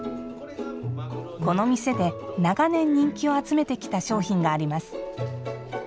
この店で長年人気を集めてきた商品があります。